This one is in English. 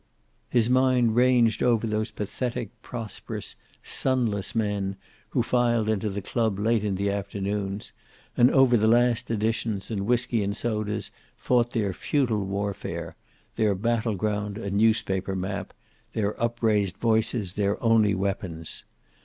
His mind ranged over those pathetic, prosperous, sonless men who filed into the club late in the afternoons, and over the last editions and whisky and sodas fought their futile warfare, their battle ground a newspaper map, their upraised voices their only weapons.